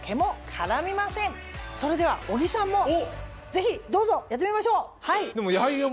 それでは小木さんもぜひどうぞやってみましょう！